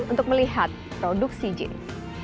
untuk melihat produksi jeans